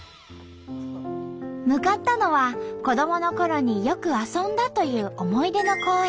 向かったのは子どものころによく遊んだという思い出の公園。